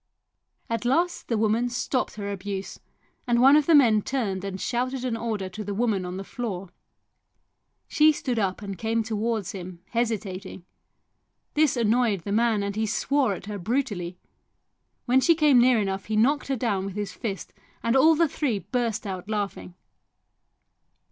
At last the woman stopped her abuse, and one of the men turned and shouted an order to the woman on the floor. She stood up and came towards him, hesitating; this annoyed the man and he swore at her brutally ; when she came near enough he knocked her down with his fist, and all the three burst out laughing.